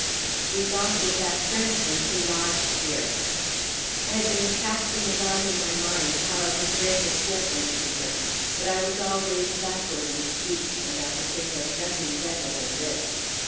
"She's off with that Frenchman who lodged here." I had been casting about in my mind how I could break it gently to him; but I was always backward in speech, and I could think of nothing better than this.